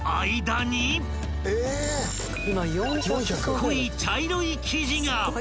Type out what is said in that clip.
［濃い茶色い生地が］